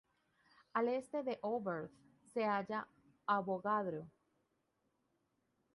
Al este de Oberth se halla Avogadro.